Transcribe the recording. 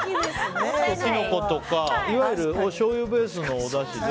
いわゆる、おしょうゆベースのおだしで。